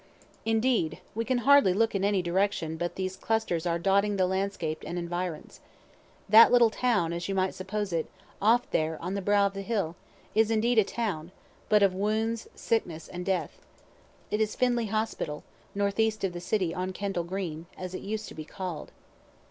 Indeed, we can hardly look in any direction but these clusters are dotting the landscape and environs. That little town, as you might suppose it, off there on the brow of a hill, is indeed a town, but of wounds, sickness, and death. It is Finley hospital, northeast of the city, on Kendall green, as it used to be call'd.